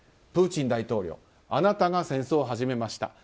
プーチン大統領あなたが戦争を始めました。